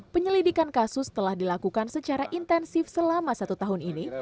penyelidikan kasus telah dilakukan secara intensif selama satu tahun ini